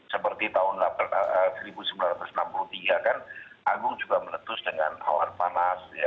seperti tahun seribu sembilan ratus enam puluh tiga kan agung juga meletus dengan awan panas